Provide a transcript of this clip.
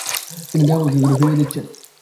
তিনি দেহাবশেষগুলি ফিরিয়ে দিচ্ছেন ।